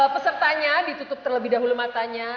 pesertanya ditutup terlebih dahulu matanya